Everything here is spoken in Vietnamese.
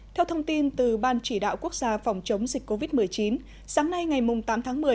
theo thông tin từ ban chỉ đạo quốc gia phòng chống dịch covid một mươi chín sáng nay ngày tám tháng một mươi